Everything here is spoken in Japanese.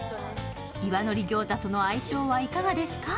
岩のり餃子との相性はいかがですか？